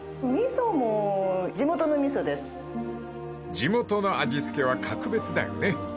［地元の味付けは格別だよね］